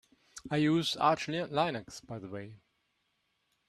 I use Arch Linux by the way.